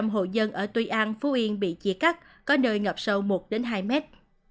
bốn bảy trăm linh hồ dân ở tuy an phú yên bị chia cắt có nơi ngập sâu một hai mét